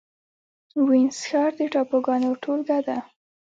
وینز ښار د ټاپوګانو ټولګه ده